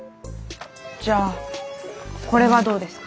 じゃあこれはどうですか？